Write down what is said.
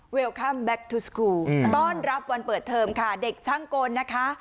คัมแก๊กทุสกูลต้อนรับวันเปิดเทอมค่ะเด็กช่างกลนะคะ